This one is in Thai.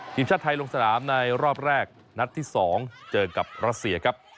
ทีมชาติไทยลงสนามในรอบแรกนัดที่๒เจอกับรัสเซียครับ